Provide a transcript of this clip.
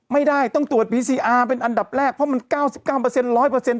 ไม่ได้ต้องตรวจเป็นอันดับแรกเพราะมันเก้าสิบเก้าเปอร์เซ็นต์ร้อยเปอร์เซ็นต์